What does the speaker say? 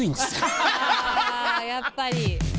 あやっぱり。